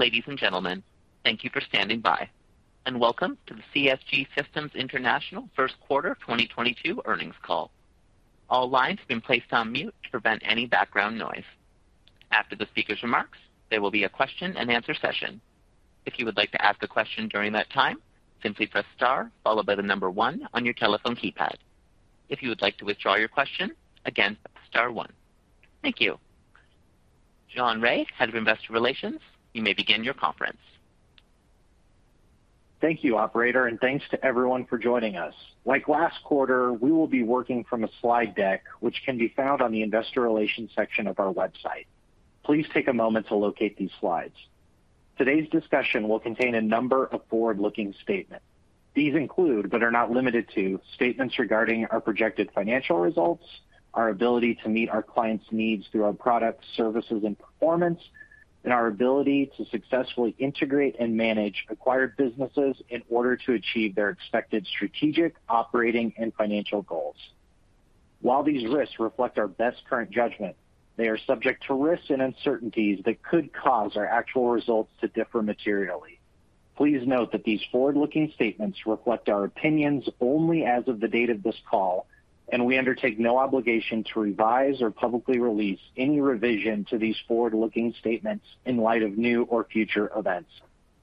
Ladies and gentlemen, thank you for standing by, and welcome to the CSG Systems International first quarter 2022 earnings call. All lines have been placed on mute to prevent any background noise. After the speaker's remarks, there will be a question-and-answer session. If you would like to ask a question during that time, simply press star followed by the number one on your telephone keypad. If you would like to withdraw your question, again, star one. Thank you. John Rea, Head of Investor Relations, you may begin your conference. Thank you, operator, and thanks to everyone for joining us. Like last quarter, we will be working from a slide deck, which can be found on the investor relations section of our website. Please take a moment to locate these slides. Today's discussion will contain a number of forward-looking statements. These include, but are not limited to, statements regarding our projected financial results, our ability to meet our clients' needs through our products, services, and performance, and our ability to successfully integrate and manage acquired businesses in order to achieve their expected strategic, operating, and financial goals. While these risks reflect our best current judgment, they are subject to risks and uncertainties that could cause our actual results to differ materially. Please note that these forward-looking statements reflect our opinions only as of the date of this call, and we undertake no obligation to revise or publicly release any revision to these forward-looking statements in light of new or future events.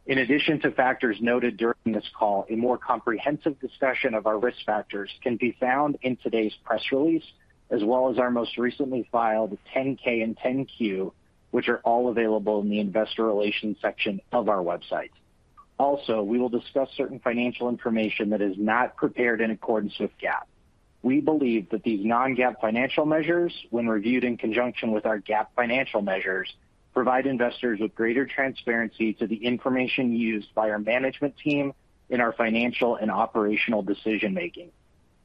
In addition to factors noted during this call, a more comprehensive discussion of our risk factors can be found in today's press release, as well as our most recently filed Form 10-K and Form 10-Q, which are all available in the investor relations section of our website. Also, we will discuss certain financial information that is not prepared in accordance with GAAP. We believe that these non-GAAP financial measures, when reviewed in conjunction with our GAAP financial measures, provide investors with greater transparency to the information used by our management team in our financial and operational decision-making.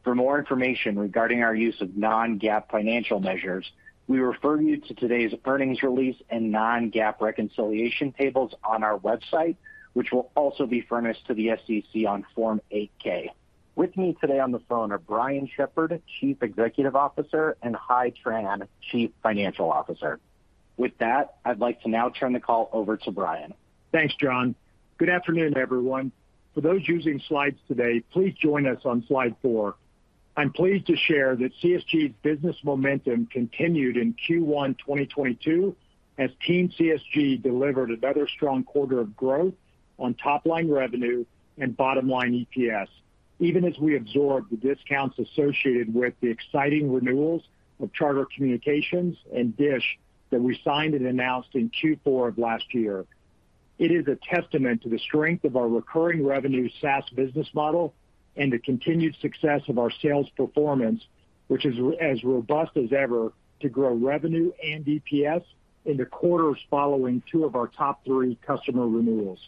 For more information regarding our use of non-GAAP financial measures, we refer you to today's earnings release and non-GAAP reconciliation tables on our website, which will also be furnished to the SEC on Form 8-K. With me today on the phone are Brian Shepherd, Chief Executive Officer, and Hai Tran, Chief Financial Officer. With that, I'd like to now turn the call over to Brian. Thanks, John. Good afternoon, everyone. For those using slides today, please join us on slide four. I'm pleased to share that CSG's business momentum continued in Q1 2022 as Team CSG delivered another strong quarter of growth on top line revenue and bottom line EPS, even as we absorb the discounts associated with the exciting renewals of Charter Communications and DISH that we signed and announced in Q4 of last year. It is a testament to the strength of our recurring revenue SaaS business model and the continued success of our sales performance, which is as robust as ever to grow revenue and EPS in the quarters following two of our top three customer renewals.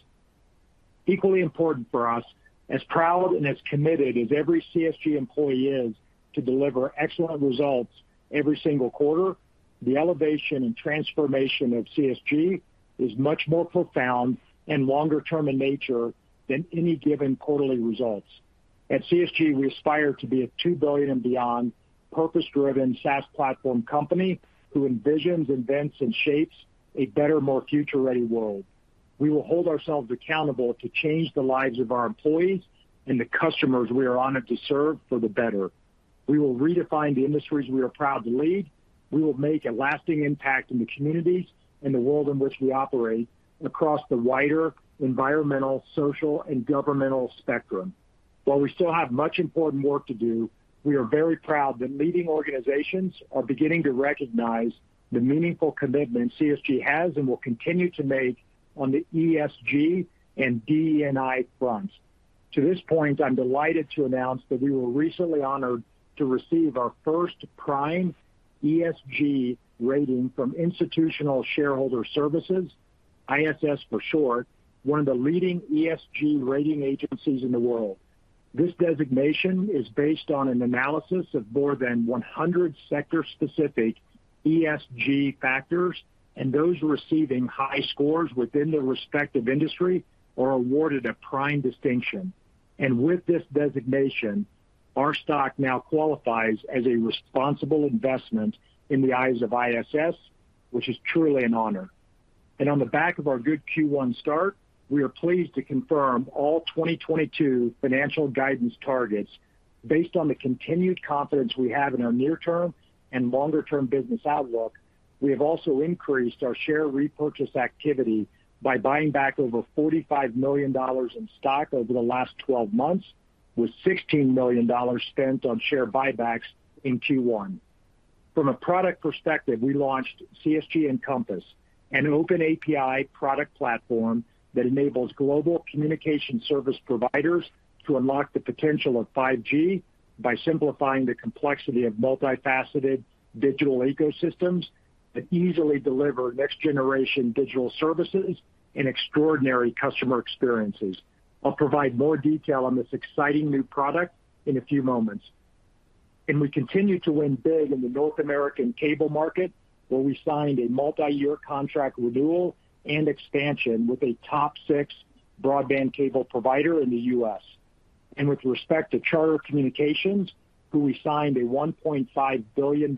Equally important for us, as proud and as committed as every CSG employee is to deliver excellent results every single quarter, the elevation and transformation of CSG is much more profound and longer term in nature than any given quarterly results. At CSG, we aspire to be a $2 billion and beyond purpose-driven SaaS platform company who envisions, invents, and shapes a better, more future-ready world. We will hold ourselves accountable to change the lives of our employees and the customers we are honored to serve for the better. We will redefine the industries we are proud to lead. We will make a lasting impact in the communities and the world in which we operate across the wider environmental, social, and governance spectrum. While we still have much important work to do, we are very proud that leading organizations are beginning to recognize the meaningful commitment CSG has and will continue to make on the ESG and DE&I fronts. To this point, I'm delighted to announce that we were recently honored to receive our first prime ESG rating from Institutional Shareholder Services, ISS for short, one of the leading ESG rating agencies in the world. This designation is based on an analysis of more than 100 sector-specific ESG factors, and those receiving high scores within their respective industry are awarded a prime distinction. With this designation, our stock now qualifies as a responsible investment in the eyes of ISS, which is truly an honor. On the back of our good Q1 start, we are pleased to confirm all 2022 financial guidance targets based on the continued confidence we have in our near term and longer-term business outlook. We have also increased our share repurchase activity by buying back over $45 million in stock over the last 12 months, with $16 million spent on share buybacks in Q1. From a product perspective, we launched CSG Encompass, an open API product platform that enables global communication service providers to unlock the potential of 5G by simplifying the complexity of multifaceted digital ecosystems that easily deliver next-generation digital services and extraordinary customer experiences. I'll provide more detail on this exciting new product in a few moments. We continue to win big in the North American cable market, where we signed a multi-year contract renewal and expansion with a top six broadband cable provider in the U.S.. With respect to Charter Communications, who we signed a $1.5 billion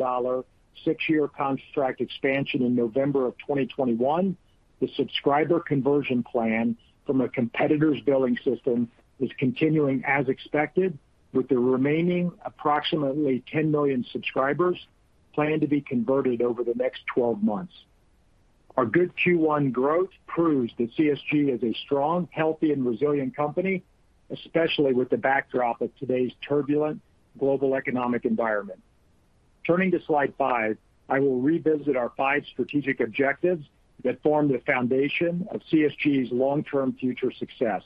six-year contract expansion in November 2021, the subscriber conversion plan from a competitor's billing system is continuing as expected, with the remaining approximately 10 million subscribers planned to be converted over the next 12 months. Our good Q1 growth proves that CSG is a strong, healthy and resilient company, especially with the backdrop of today's turbulent global economic environment. Turning to slide five, I will revisit our five strategic objectives that form the foundation of CSG's long-term future success.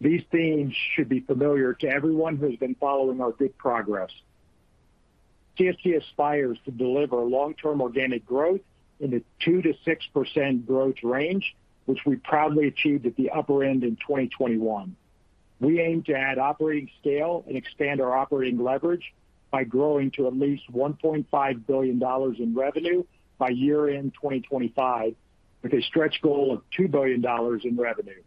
These themes should be familiar to everyone who has been following our big progress. CSG aspires to deliver long-term organic growth in the 2%-6% growth range, which we proudly achieved at the upper end in 2021. We aim to add operating scale and expand our operating leverage by growing to at least $1.5 billion in revenue by year-end 2025, with a stretch goal of $2 billion in revenue.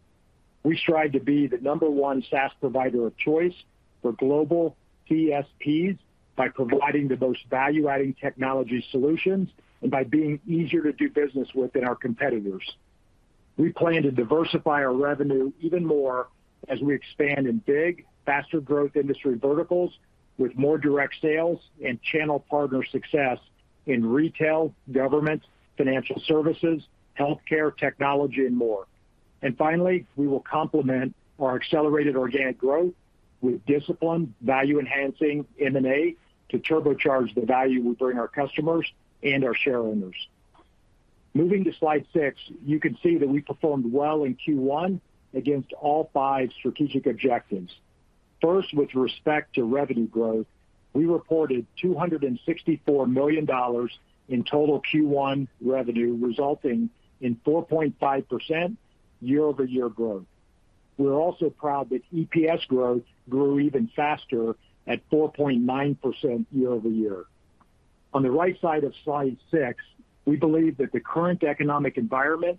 We strive to be the number one SaaS provider of choice for global CSPs by providing the most value-adding technology solutions and by being easier to do business with than our competitors. We plan to diversify our revenue even more as we expand in big, faster growth industry verticals with more direct sales and channel partner success in retail, government, financial services, healthcare, technology and more. Finally, we will complement our accelerated organic growth with disciplined value-enhancing M&A to turbocharge the value we bring our customers and our shareowners. Moving to slide six, you can see that we performed well in Q1 against all five strategic objectives. First, with respect to revenue growth, we reported $264 million in total Q1 revenue, resulting in 4.5% year-over-year growth. We're also proud that EPS growth grew even faster at 4.9% year-over-year. On the right side of slide six, we believe that the current economic environment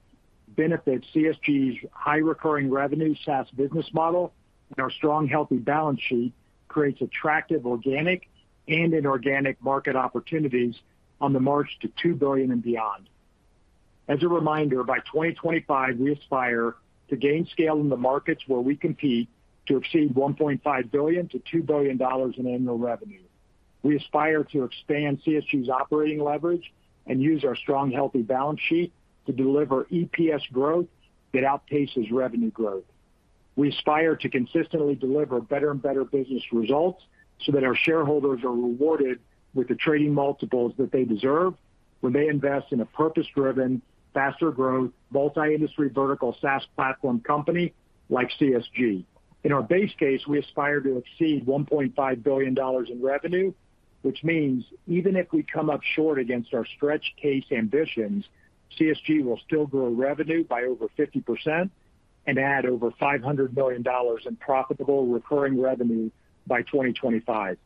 benefits CSG's high recurring revenue SaaS business model, and our strong, healthy balance sheet creates attractive organic and inorganic market opportunities on the march to $2 billion and beyond. As a reminder, by 2025, we aspire to gain scale in the markets where we compete to exceed $1.5 billion-$2 billion in annual revenue. We aspire to expand CSG's operating leverage and use our strong, healthy balance sheet to deliver EPS growth that outpaces revenue growth. We aspire to consistently deliver better and better business results so that our shareholders are rewarded with the trading multiples that they deserve when they invest in a purpose-driven, faster growth, multi-industry vertical SaaS platform company like CSG. In our base case, we aspire to exceed $1.5 billion in revenue, which means even if we come up short against our stretch case ambitions, CSG will still grow revenue by over 50% and add over $500 million in profitable recurring revenue by 2025.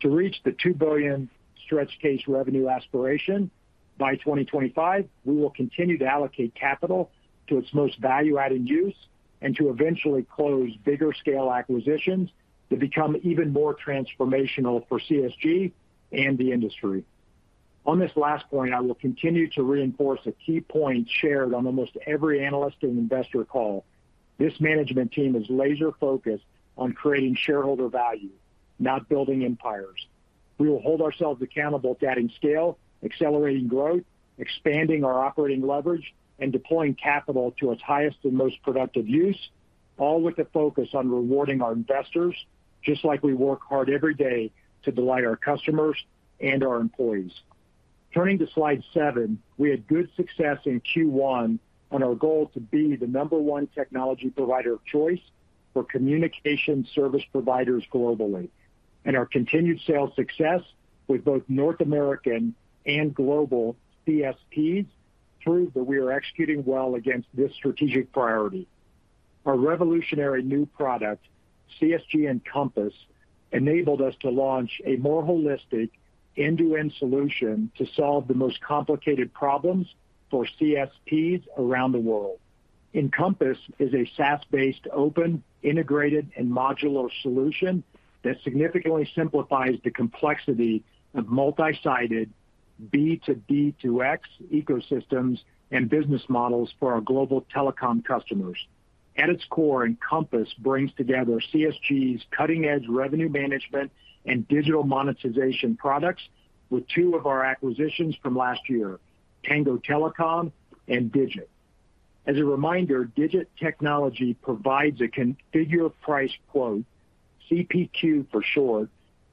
To reach the $2 billion stretch case revenue aspiration by 2025, we will continue to allocate capital to its most value-added use and to eventually close bigger scale acquisitions to become even more transformational for CSG and the industry. On this last point, I will continue to reinforce a key point shared on almost every analyst and investor call. This management team is laser focused on creating shareholder value, not building empires. We will hold ourselves accountable to adding scale, accelerating growth, expanding our operating leverage, and deploying capital to its highest and most productive use, all with the focus on rewarding our investors, just like we work hard every day to delight our customers and our employees. Turning to slide seven, we had good success in Q1 on our goal to be the number 1 technology provider of choice for communication service providers globally, and our continued sales success with both North American and global CSPs prove that we are executing well against this strategic priority. Our revolutionary new product, CSG Encompass, enabled us to launch a more holistic end-to-end solution to solve the most complicated problems for CSPs around the world. Encompass is a SaaS-based, open, integrated, and modular solution that significantly simplifies the complexity of multi-sided B to B to X ecosystems and business models for our global telecom customers. At its core, Encompass brings together CSG's cutting-edge revenue management and digital monetization products with 2 of our acquisitions from last year, Tango Telecom and DGIT. As a reminder, DGIT Technology provides a configure price quote, CPQ for short,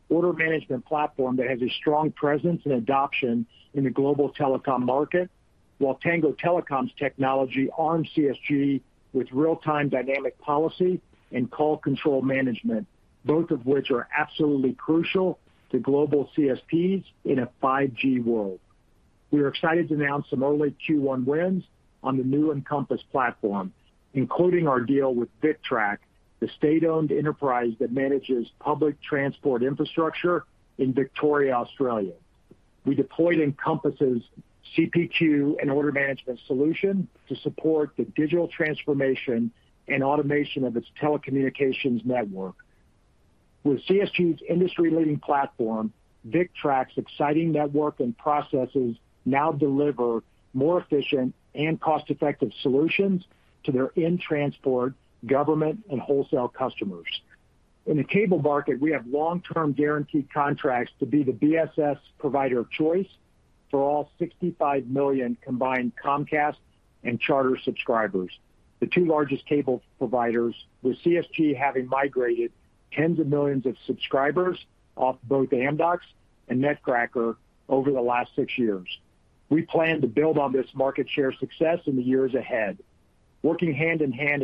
order management platform that has a strong presence and adoption in the global telecom market, while Tango Telecom's technology arms CSG with real-time dynamic policy and call control management, both of which are absolutely crucial to global CSPs in a 5G world. We are excited to announce some early Q1 wins on the new Encompass platform, including our deal with VicTrack, the state-owned enterprise that manages public transport infrastructure in Victoria, Australia. We deployed Encompass' CPQ and order management solution to support the digital transformation and automation of its telecommunications network. With CSG's industry-leading platform, VicTrack's exciting network and processes now deliver more efficient and cost-effective solutions to their in-transport government and wholesale customers. In the cable market, we have long-term guaranteed contracts to be the BSS provider of choice for all 65 million combined Comcast and Charter subscribers. The two largest cable providers, with CSG having migrated tens of millions of subscribers off both Amdocs and Netcracker over the last six years. We plan to build on this market share success in the years ahead. Working hand in hand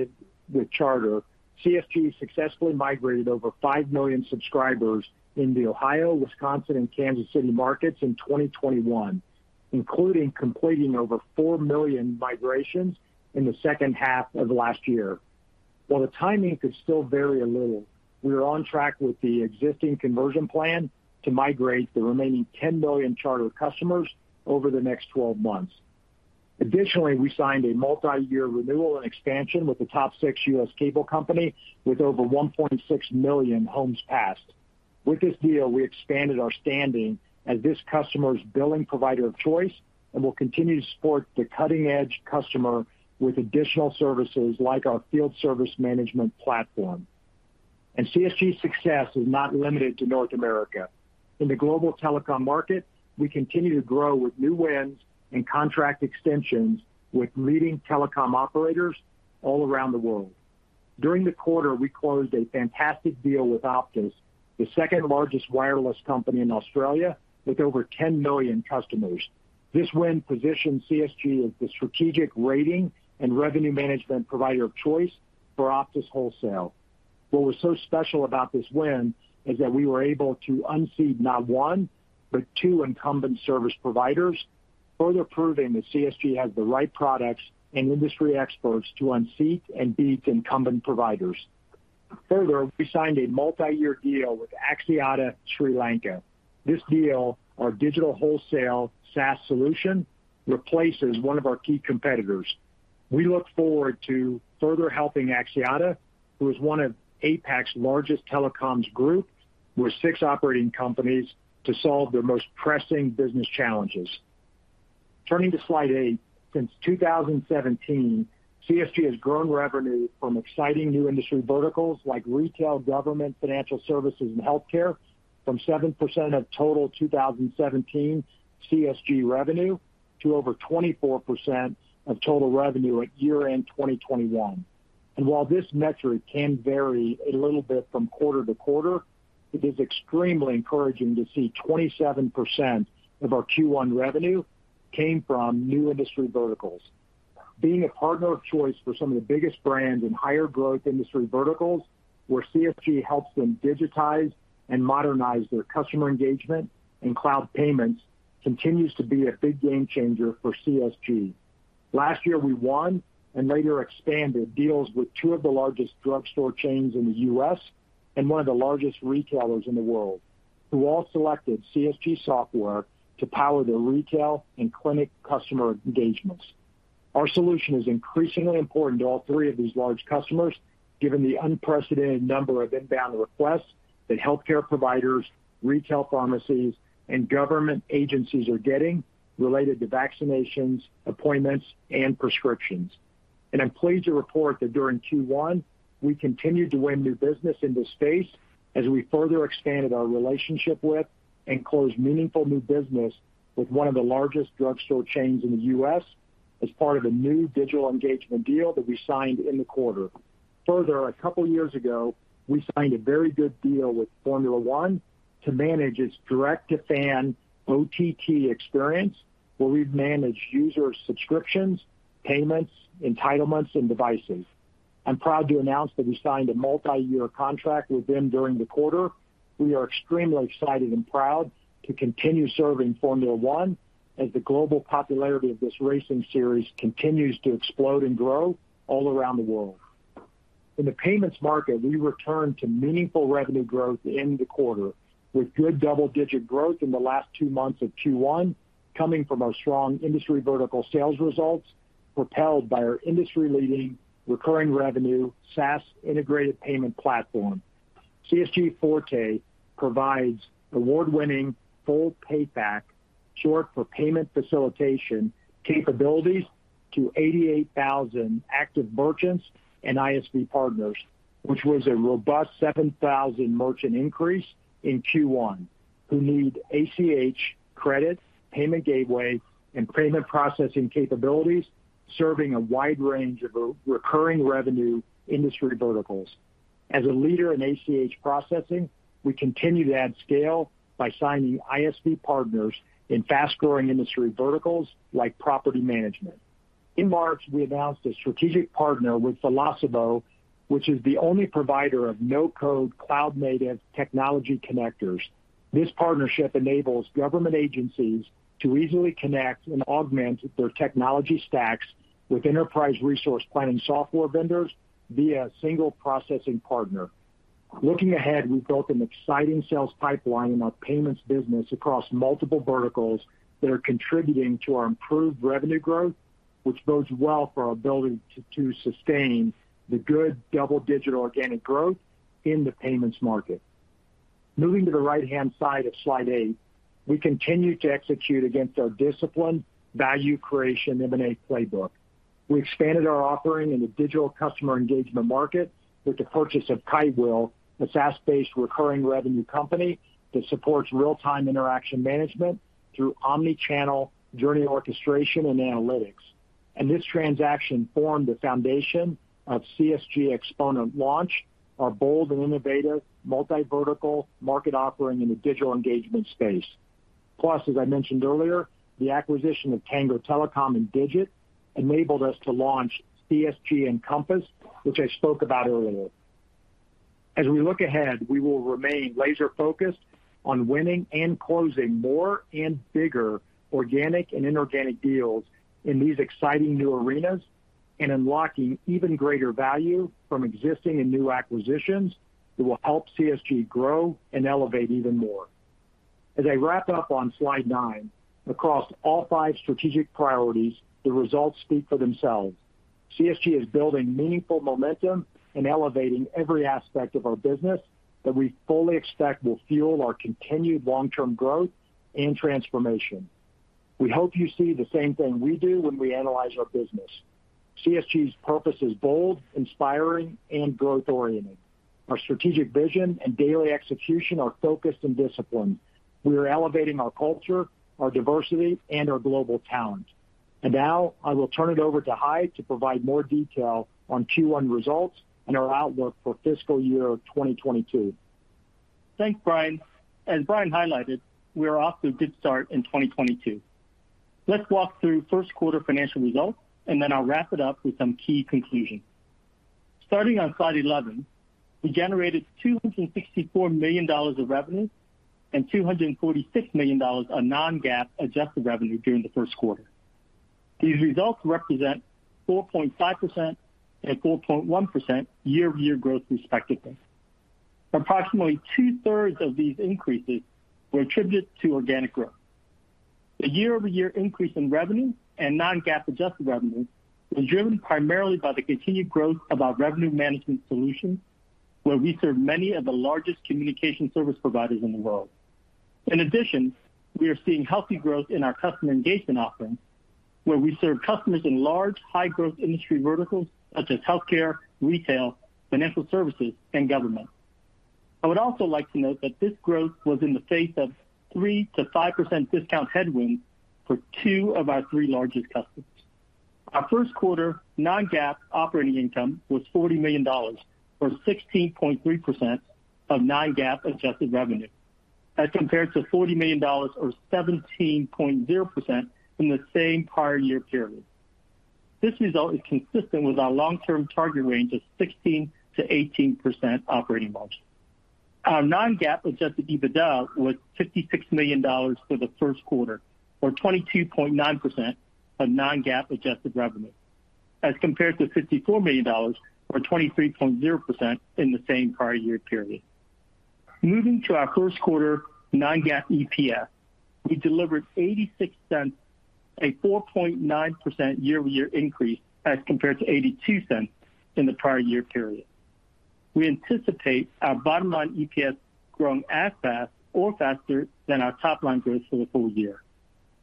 with Charter, CSG successfully migrated over five million subscribers in the Ohio, Wisconsin, and Kansas City markets in 2021, including completing over four million migrations in the second half of last year. While the timing could still vary a little, we are on track with the existing conversion plan to migrate the remaining 10 million Charter customers over the next 12 months. Additionally, we signed a multi-year renewal and expansion with the top six US cable company with over 1.6 million homes passed. With this deal, we expanded our standing as this customer's billing provider of choice and will continue to support the cutting-edge customer with additional services like our field service management platform. CSG's success is not limited to North America. In the global telecom market, we continue to grow with new wins and contract extensions with leading telecom operators all around the world. During the quarter, we closed a fantastic deal with Optus, the second largest wireless company in Australia with over 10 million customers. This win positions CSG as the strategic rating and revenue management provider of choice for Optus Wholesale. What was so special about this win is that we were able to unseat not one, but two incumbent service providers, further proving that CSG has the right products and industry experts to unseat and beat incumbent providers. Further, we signed a multi-year deal with Axiata Sri Lanka. This deal, our digital wholesale SaaS solution, replaces one of our key competitors. We look forward to further helping Axiata, who is one of APAC's largest telecoms group with six operating companies, to solve their most pressing business challenges. Turning to slide eight, since 2017, CSG has grown revenue from exciting new industry verticals like retail, government, financial services, and healthcare from 7% of total 2017 CSG revenue to over 24% of total revenue at year-end 2021. While this metric can vary a little bit from quarter to quarter, it is extremely encouraging to see 27% of our Q1 revenue came from new industry verticals. Being a partner of choice for some of the biggest brands in higher growth industry verticals, where CSG helps them digitize and modernize their customer engagement and cloud payments, continues to be a big game changer for CSG. Last year, we won and later expanded deals with two of the largest drugstore chains in the U.S. and one of the largest retailers in the world, who all selected CSG software to power their retail and clinic customer engagements. Our solution is increasingly important to all three of these large customers, given the unprecedented number of inbound requests that healthcare providers, retail pharmacies, and government agencies are getting related to vaccinations, appointments, and prescriptions. I'm pleased to report that during Q1, we continued to win new business in this space as we further expanded our relationship with and closed meaningful new business with one of the largest drugstore chains in the U.S. as part of a new digital engagement deal that we signed in the quarter. Further, a couple years ago, we signed a very good deal with Formula One to manage its direct-to-fan OTT experience, where we've managed user subscriptions, payments, entitlements, and devices. I'm proud to announce that we signed a multi-year contract with them during the quarter. We are extremely excited and proud to continue serving Formula One as the global popularity of this racing series continues to explode and grow all around the world. In the payments market, we returned to meaningful revenue growth in the quarter with good double-digit growth in the last two months of Q1 coming from our strong industry vertical sales results, propelled by our industry-leading recurring revenue, SaaS integrated payment platform. CSG Forte provides award-winning full payfac, short for payment facilitation capabilities to 88,000 active merchants and ISV partners, which was a robust 7,000 merchant increase in Q1, who need ACH credits, payment gateway, and payment processing capabilities, serving a wide range of recurring revenue industry verticals. As a leader in ACH processing, we continue to add scale by signing ISV partners in fast-growing industry verticals like property management. In March, we announced a strategic partnership with Philosopo, which is the only provider of no-code cloud-native technology connectors. This partnership enables government agencies to easily connect and augment their technology stacks with enterprise resource planning software vendors via a single processing partner. Looking ahead, we've built an exciting sales pipeline in our payments business across multiple verticals that are contributing to our improved revenue growth, which bodes well for our ability to sustain the good double-digit organic growth in the payments market. Moving to the right-hand side of slide eight, we continue to execute against our disciplined value creation M&A playbook. We expanded our offering in the digital customer engagement market with the purchase of Kitewheel, a SaaS-based recurring revenue company that supports real-time interaction management through omni-channel journey orchestration and analytics. This transaction formed the foundation of CSG Xponent Launch, our bold and innovative multi-vertical market offering in the digital engagement space. Plus, as I mentioned earlier, the acquisition of Tango Telecom and DGIT enabled us to launch CSG Encompass, which I spoke about earlier. As we look ahead, we will remain laser-focused on winning and closing more and bigger organic and inorganic deals in these exciting new arenas, and unlocking even greater value from existing and new acquisitions that will help CSG grow and elevate even more. As I wrap up on slide nine, across all five strategic priorities, the results speak for themselves. CSG is building meaningful momentum and elevating every aspect of our business that we fully expect will fuel our continued long-term growth and transformation. We hope you see the same thing we do when we analyze our business. CSG's purpose is bold, inspiring, and growth-oriented. Our strategic vision and daily execution are focused and disciplined. We are elevating our culture, our diversity, and our global talent. Now I will turn it over to Hai Tran to provide more detail on Q1 results and our outlook for fiscal year 2022. Thanks, Brian. As Brian highlighted, we are off to a good start in 2022. Let's walk through first quarter financial results, and then I'll wrap it up with some key conclusions. Starting on slide 11, we generated $264 million of revenue and $246 million of non-GAAP adjusted revenue during the first quarter. These results represent 4.5% and 4.1% year-over-year growth, respectively. Approximately two-thirds of these increases were attributed to organic growth. The year-over-year increase in revenue and non-GAAP adjusted revenue was driven primarily by the continued growth of our revenue management solutions, where we serve many of the largest communication service providers in the world. In addition, we are seeing healthy growth in our customer engagement offerings, where we serve customers in large, high-growth industry verticals such as healthcare, retail, financial services, and government. I would also like to note that this growth was in the face of 3%-5% discount headwinds for two of our three largest customers. Our first quarter non-GAAP operating income was $40 million, or 16.3% of non-GAAP adjusted revenue, as compared to $40 million or 17.0% in the same prior year period. This result is consistent with our long-term target range of 16%-18% operating margin. Our non-GAAP adjusted EBITDA was $56 million for the first quarter, or 22.9% of non-GAAP adjusted revenue, as compared to $54 million or 23.0% in the same prior year period. Moving to our first quarter non-GAAP EPS, we delivered $0.86, a 4.9% year-over-year increase as compared to $0.82 in the prior year period. We anticipate our bottom line EPS growing as fast or faster than our top line growth for the full year.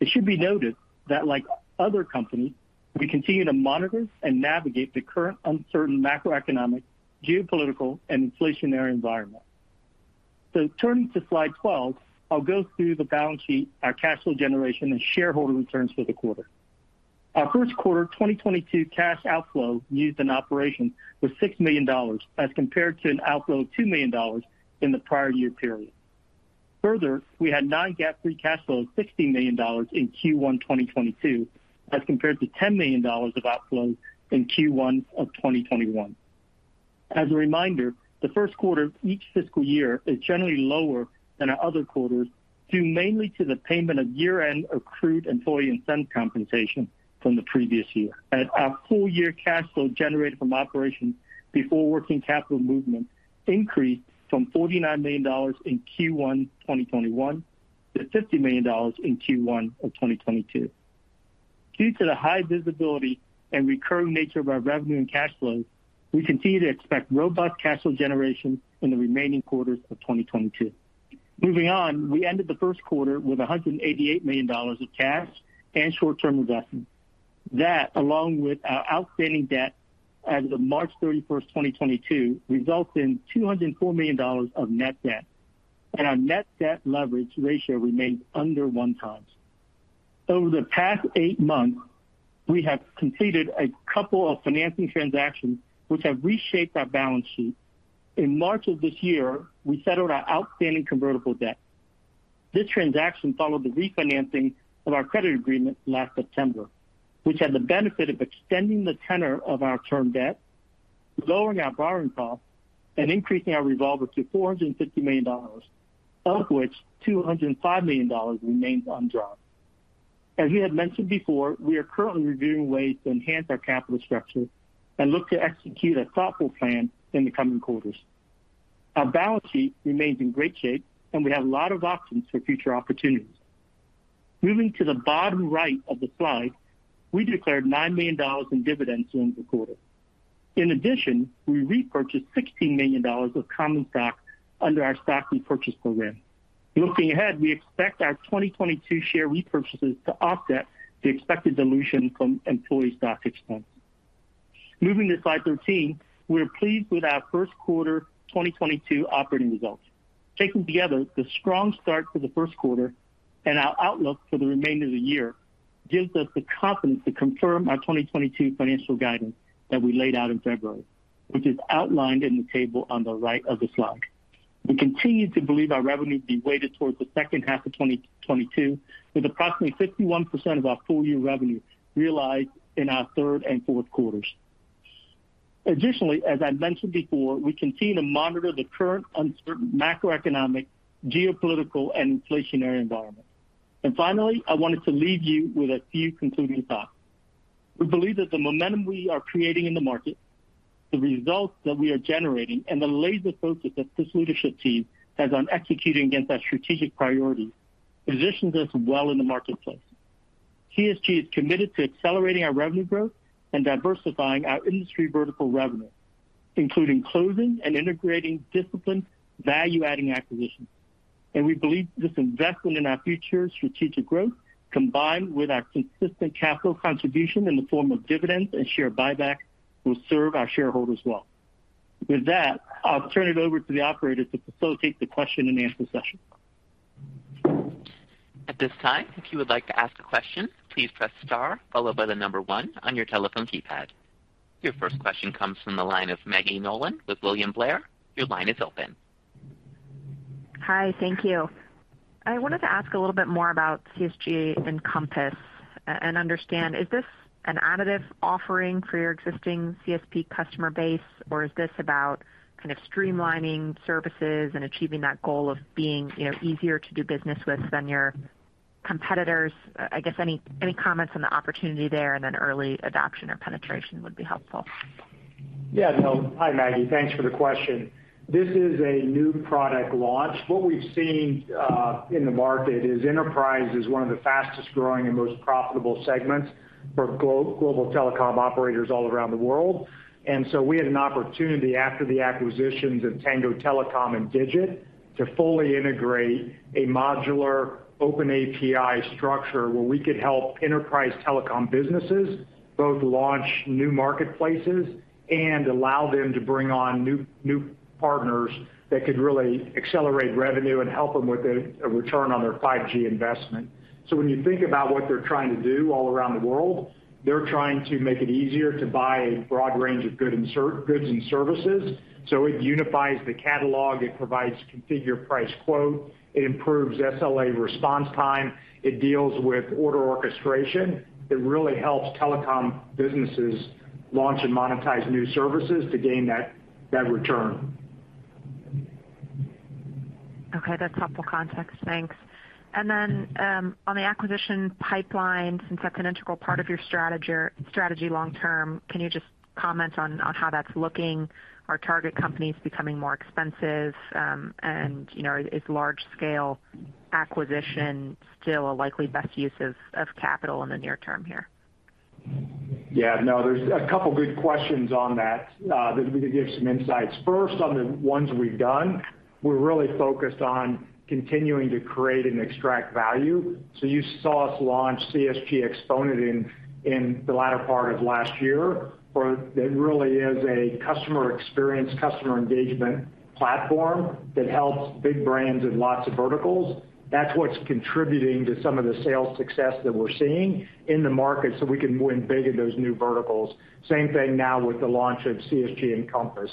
It should be noted that like other companies, we continue to monitor and navigate the current uncertain macroeconomic, geopolitical, and inflationary environment. Turning to slide 12, I'll go through the balance sheet, our cash flow generation, and shareholder returns for the quarter. Our first quarter 2022 cash outflow used in operations was $6 million as compared to an outflow of $2 million in the prior year period. Further, we had non-GAAP free cash flow of $16 million in Q1 2022 as compared to $10 million of outflow in Q1 of 2021. As a reminder, the first quarter of each fiscal year is generally lower than our other quarters, due mainly to the payment of year-end accrued employee incentive compensation from the previous year. Our full year cash flow generated from operations before working capital movement increased from $49 million in Q1 2021 to $50 million in Q1 of 2022. Due to the high visibility and recurring nature of our revenue and cash flows, we continue to expect robust cash flow generation in the remaining quarters of 2022. Moving on, we ended the first quarter with $188 million of cash and short-term investments. That, along with our outstanding debt as of March 31st, 2022, results in $204 million of net debt. Our net debt leverage ratio remains under 1x. Over the past eight months, we have completed a couple of financing transactions which have reshaped our balance sheet. In March of this year, we settled our outstanding convertible debt. This transaction followed the refinancing of our credit agreement last September, which had the benefit of extending the tenor of our term debt, lowering our borrowing costs, and increasing our revolver to $450 million, of which $205 million remains undrawn. As we had mentioned before, we are currently reviewing ways to enhance our capital structure and look to execute a thoughtful plan in the coming quarters. Our balance sheet remains in great shape, and we have a lot of options for future opportunities. Moving to the bottom right of the slide, we declared $9 million in dividends during the quarter. In addition, we repurchased $16 million of common stock under our stock repurchase program. Looking ahead, we expect our 2022 share repurchases to offset the expected dilution from employee stock expense. Moving to slide 13. We are pleased with our first quarter 2022 operating results. Taken together, the strong start for the first quarter and our outlook for the remainder of the year gives us the confidence to confirm our 2022 financial guidance that we laid out in February, which is outlined in the table on the right of the slide. We continue to believe our revenue to be weighted towards the second half of 2022, with approximately 51% of our full year revenue realized in our third and fourth quarters. Additionally, as I mentioned before, we continue to monitor the current uncertain macroeconomic, geopolitical and inflationary environment. Finally, I wanted to leave you with a few concluding thoughts. We believe that the momentum we are creating in the market, the results that we are generating, and the laser focus that this leadership team has on executing against our strategic priorities positions us well in the marketplace. CSG is committed to accelerating our revenue growth and diversifying our industry vertical revenue, including closing and integrating disciplined value-adding acquisitions. We believe this investment in our future strategic growth, combined with our consistent capital contribution in the form of dividends and share buyback, will serve our shareholders well. With that, I'll turn it over to the operator to facilitate the question and answer session. At this time, if you would like to ask a question, please press star followed by the number one on your telephone keypad. Your first question comes from the line of Maggie Nolan with William Blair. Your line is open. Hi. Thank you. I wanted to ask a little bit more about CSG Encompass and understand, is this an additive offering for your existing CSP customer base, or is this about kind of streamlining services and achieving that goal of being, you know, easier to do business with than your competitors? I guess any comments on the opportunity there and then early adoption or penetration would be helpful. Yeah. No. Hi, Maggie. Thanks for the question. This is a new product launch. What we've seen in the market is enterprise is one of the fastest growing and most profitable segments for global telecom operators all around the world. We had an opportunity after the acquisitions of Tango Telecom and DIGIT to fully integrate a modular open API structure where we could help enterprise telecom businesses both launch new marketplaces and allow them to bring on new partners that could really accelerate revenue and help them with a return on their 5G investment. When you think about what they're trying to do all around the world, they're trying to make it easier to buy a broad range of goods and services. It unifies the catalog, it provides configure price quote, it improves SLA response time, it deals with order orchestration. It really helps telecom businesses launch and monetize new services to gain that return. Okay, that's helpful context. Thanks. On the acquisition pipeline, since that's an integral part of your strategy long term, can you just comment on how that's looking? Are target companies becoming more expensive? You know, is large scale acquisition still a likely best use of capital in the near term here? Yeah. No, there's a couple good questions on that we can give some insights. First, on the ones we've done, we're really focused on continuing to create and extract value. You saw us launch CSG Xponent in the latter part of last year, for it really is a customer experience, customer engagement platform that helps big brands in lots of verticals. That's what's contributing to some of the sales success that we're seeing in the market, so we can win big in those new verticals. Same thing now with the launch of CSG Encompass.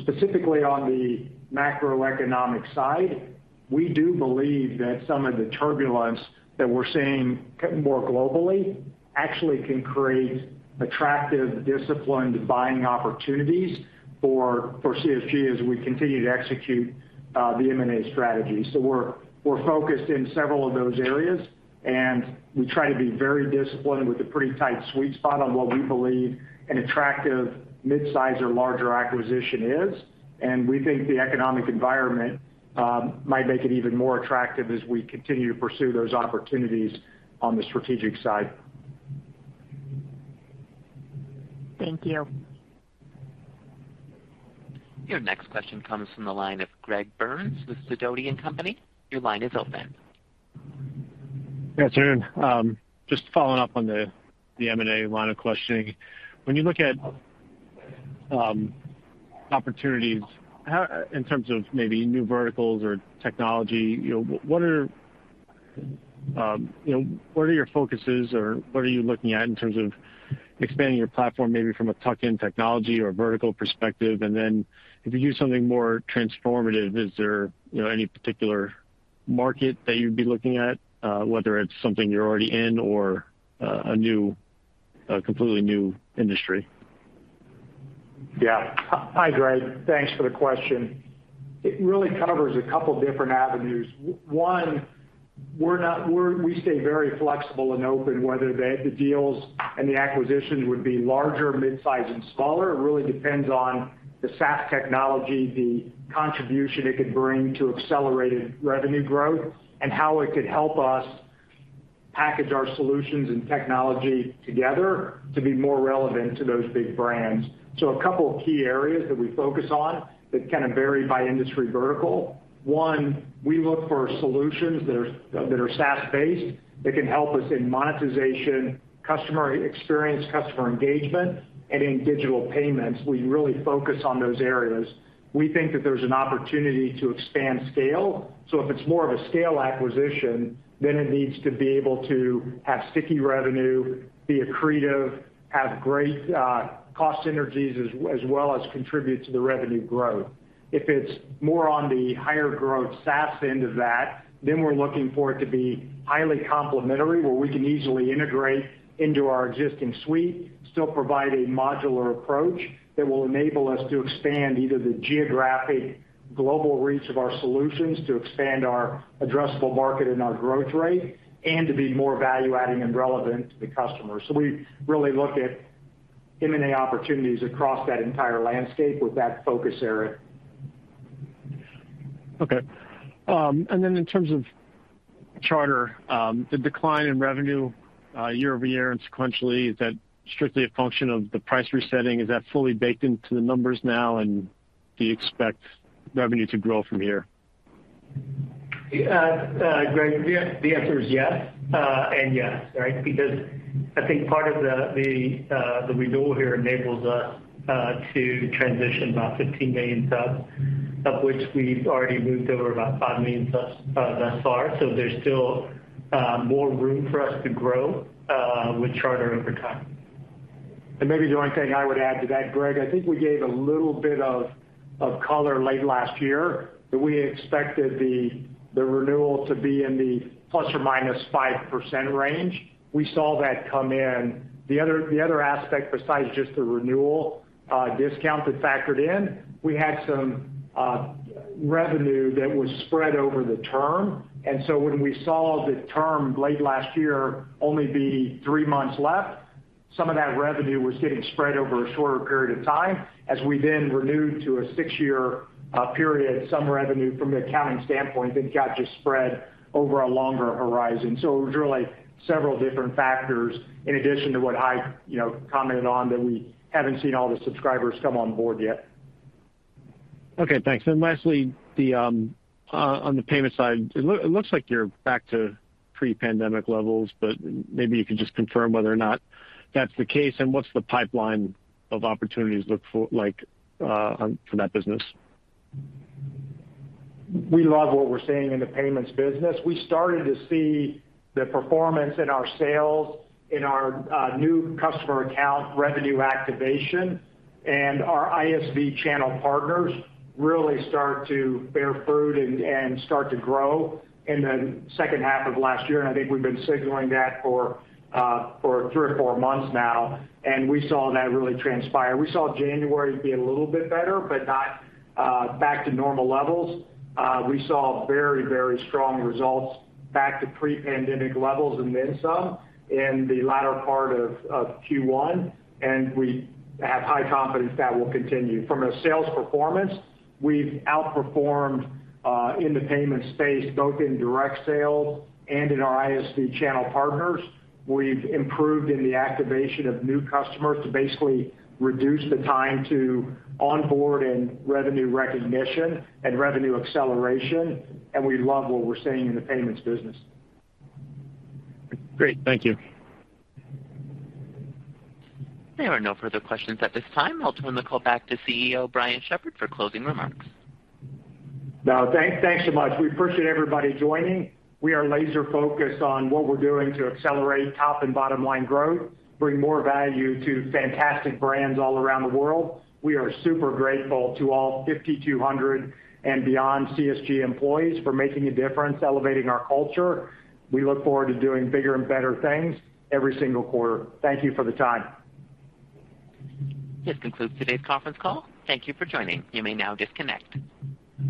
Specifically on the macroeconomic side, we do believe that some of the turbulence that we're seeing more globally actually can create attractive, disciplined buying opportunities for CSG as we continue to execute the M&A strategy. We're focused in several of those areas, and we try to be very disciplined with a pretty tight sweet spot on what we believe an attractive mid-size or larger acquisition is. We think the economic environment might make it even more attractive as we continue to pursue those opportunities on the strategic side. Thank you. Your next question comes from the line of Greg Burns with Sidoti & Company. Your line is open. Yeah. Tarun, just following up on the M&A line of questioning. When you look at opportunities, in terms of maybe new verticals or technology, you know, what are your focuses or what are you looking at in terms of expanding your platform, maybe from a tuck-in technology or vertical perspective? Then if you do something more transformative, is there, you know, any particular market that you'd be looking at, whether it's something you're already in or a new, a completely new industry? Yeah. Hi, Greg. Thanks for the question. It really covers a couple different avenues. One, we stay very flexible and open whether the deals and the acquisitions would be larger, midsize and smaller. It really depends on the SaaS technology, the contribution it could bring to accelerated revenue growth, and how it could help us package our solutions and technology together to be more relevant to those big brands. A couple of key areas that we focus on that kind of vary by industry vertical. One, we look for solutions that are SaaS-based, that can help us in monetization, customer experience, customer engagement, and in digital payments. We really focus on those areas. We think that there's an opportunity to expand scale. If it's more of a scale acquisition, then it needs to be able to have sticky revenue, be accretive, have great cost synergies as well as contribute to the revenue growth. If it's more on the higher growth SaaS end of that, then we're looking for it to be highly complementary, where we can easily integrate into our existing suite, still provide a modular approach that will enable us to expand either the geographic global reach of our solutions to expand our addressable market and our growth rate and to be more value-adding and relevant to the customer. We really look at M&A opportunities across that entire landscape with that focus area. In terms of Charter, the decline in revenue year-over-year and sequentially, is that strictly a function of the price resetting? Is that fully baked into the numbers now, and do you expect revenue to grow from here? Greg, the answer is yes, and yes, right? Because I think part of the renewal here enables us to transition about 15 million subs, of which we've already moved over about 5 million subs thus far. There's still more room for us to grow with Charter over time. Maybe the only thing I would add to that, Greg, I think we gave a little bit of color late last year that we expected the renewal to be in the ±5% range. We saw that come in. The other aspect besides just the renewal discount that factored in, we had some revenue that was spread over the term. When we saw the term late last year only be three months left, some of that revenue was getting spread over a shorter period of time. As we then renewed to a six-year period, some revenue from an accounting standpoint then got just spread over a longer horizon. It was really several different factors in addition to what Hai you know commented on that we haven't seen all the subscribers come on board yet. Okay, thanks. Lastly, on the payment side, it looks like you're back to pre-pandemic levels, but maybe you could just confirm whether or not that's the case and what's the pipeline of opportunities like for that business. We love what we're seeing in the payments business. We started to see the performance in our sales, in our new customer account revenue activation, and our ISV channel partners really start to bear fruit and start to grow in the second half of last year. I think we've been signaling that for three or four months now, and we saw that really transpire. We saw January be a little bit better, but not back to normal levels. We saw very, very strong results back to pre-pandemic levels and then some in the latter part of Q1, and we have high confidence that will continue. From a sales performance, we've outperformed in the payment space, both in direct sales and in our ISV channel partners. We've improved in the activation of new customers to basically reduce the time to onboard and revenue recognition and revenue acceleration, and we love what we're seeing in the payments business. Great. Thank you. There are no further questions at this time. I'll turn the call back to CEO, Brian Shepherd, for closing remarks. No, thanks so much. We appreciate everybody joining. We are laser focused on what we're doing to accelerate top and bottom line growth, bring more value to fantastic brands all around the world. We are super grateful to all 5,200 and beyond CSG employees for making a difference, elevating our culture. We look forward to doing bigger and better things every single quarter. Thank you for the time. This concludes today's conference call. Thank you for joining. You may now disconnect.